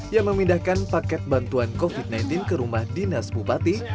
yang memindahkan paket bantuan covid sembilan belas ke rumah dinas bupati